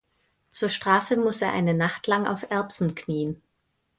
Zur Strafe muss er eine Nacht lang auf Erbsen knien.